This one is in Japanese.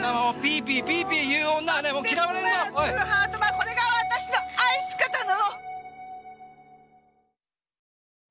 これが私の愛し方なの！